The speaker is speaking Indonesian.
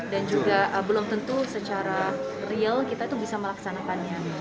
dan juga belum tentu secara real kita bisa melaksanakannya